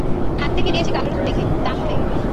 হাত থেকে নিয়েছি কালো রং দেখে, দাম অনেক।